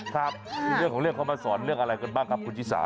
คือเรื่องของเรื่องเขามาสอนเรื่องอะไรกันบ้างครับคุณชิสา